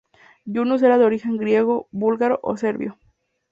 Yunus era de origen griego, búlgaro o serbio.